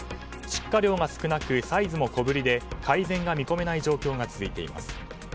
出荷量が少なくサイズも小ぶりで改善が見込めない状況が続いています。